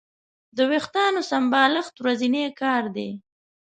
د وېښتیانو سمبالښت ورځنی کار دی.